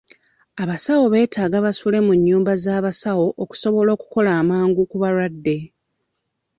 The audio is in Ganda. Abasawo beetaaga basule mu nnyumba z'abasawo okusobola okukola amangu ku balwadde.